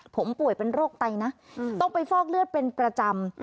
ผมป่วยเป็นโรคไตนะต้องไปฟอกเลือดเป็นประจำ